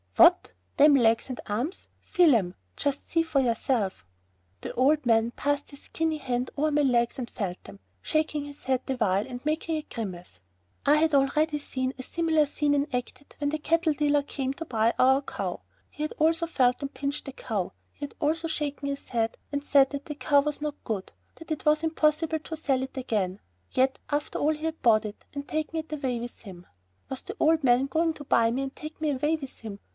"What, them legs and arms? Feel 'em. Just see for yourself." The old man passed his skinny hand over my legs and felt them, shaking his head the while and making a grimace. I had already seen a similar scene enacted when the cattle dealer came to buy our cow. He also had felt and pinched the cow. He also had shaken his head and said that it was not a good cow, it would be impossible to sell it again, and yet after all he had bought it and taken it away with him. Was the old man going to buy me and take me away with him?